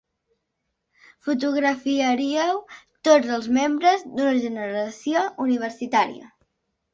Fotografiaríeu tots els membres d'una generació universitària.